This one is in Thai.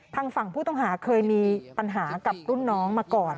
ทางฝั่งผู้ต้องหาเคยมีปัญหากับรุ่นน้องมาก่อน